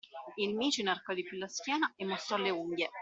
Il micio inarcò di più la schiena e mostrò le unghie.